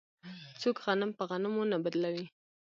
څوک غنم په غنمو نه بدلوي.